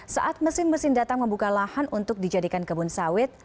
saat mesin mesin datang membuka lahan untuk dijadikan kebun sawit